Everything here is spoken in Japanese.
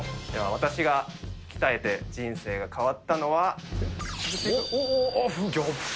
私が鍛えて人生が変わったのおっ。